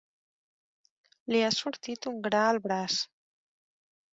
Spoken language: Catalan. Li ha sortit un gra al braç.